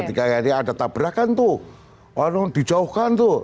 ketika ada tabrakan tuh orang dijauhkan tuh